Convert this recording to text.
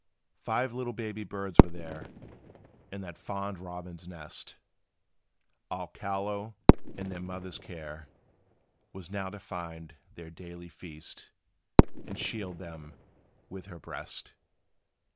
Five little baby birds were there, In that fond robin's nest, All callow; and their mother's care Was now to find their daily fare, And shield them with her breast.